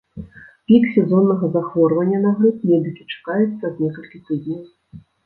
Пік сезоннага захворвання на грып медыкі чакаюць праз некалькі тыдняў.